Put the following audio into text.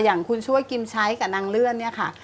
อย่างคุณช่วยกิมใช้กับนางเลื่อนเนี่ยค่ะ